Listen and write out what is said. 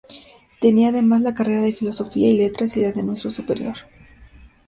Tenía además la carrera de Filosofía y Letras y la de maestro superior.